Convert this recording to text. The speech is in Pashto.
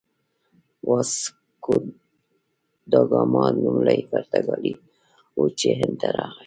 واسکوداګاما لومړی پرتګالی و چې هند ته راغی.